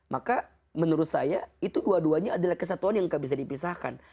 maka menurut saya itu dua duanya adalah kesatuan yang gak bisa dipisahkan